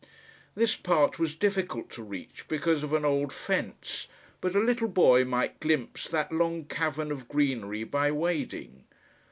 This part was difficult to reach because of an old fence, but a little boy might glimpse that long cavern of greenery by wading.